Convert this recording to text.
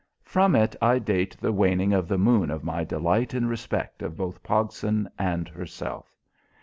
From it I date the waning of the moon of my delight in respect of both Pogson and herself.